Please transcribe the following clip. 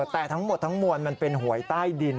แต่ทั้งหมดทั้งมวลมันเป็นหวยใต้ดิน